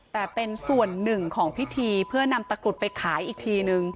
แต่เป็นส่วนหนึ่งของพิธีเพื่อนำตะกรุดไปขายอีกทีนึง